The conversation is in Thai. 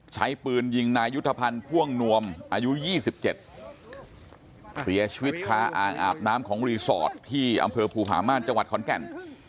ใช้ปืนยิงนายุทธภัณฑ์พ่วงนวมอายุ๒๗เสียชีวิตคาอ่างอาบน้ำของรีสอร์ทที่อำเภอภูผาม่านจังหวัดขอนแก่น